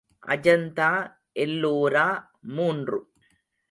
அஜந்தா எல்லோரா மூன்று.